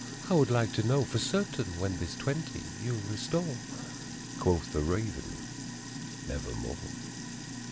I would like to know for certain when this twenty you'll restore?" Quoth the Raven, "Nevermore